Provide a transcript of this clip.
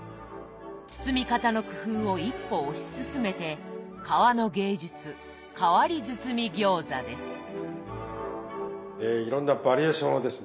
包み方の工夫を一歩推し進めていろんなバリエーションをですね